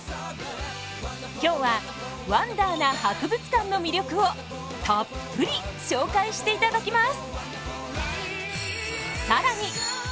今日はワンダーな博物館の魅力をたっぷり紹介していただきます！